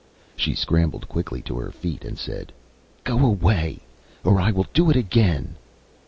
She scrambled quickly to her feet and said: ÂGo away, or I will do it again.